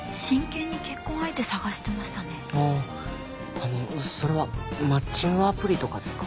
あのそれはマッチングアプリとかですか？